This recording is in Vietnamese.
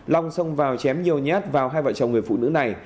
long xông vào chém nhiều nhát vào hai vợ chồng người phụ nữ này